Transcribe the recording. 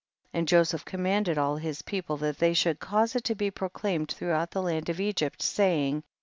And Joseph commanded all his people that they should cause it to be proclaimed throughout the land of Egypt, saying, 33.